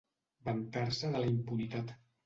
Vantar-se de la impunitat.